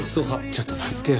ちょっと待ってよ。